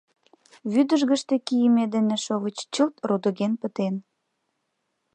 Вӱдыжгыштӧ кийыме дене шовыч чылт рудыген пытен.